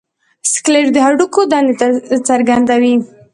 سکلیټ د هډوکو دندې څرګندوي.